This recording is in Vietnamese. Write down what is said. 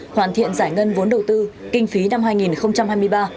hoàn thiện giải ngân vốn đầu tư kinh phí năm hai nghìn hai mươi ba